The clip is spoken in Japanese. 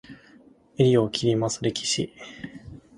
袖を切ります、レシキ。